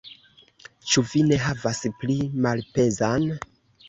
Ĉu vi ne havas pli malpezan?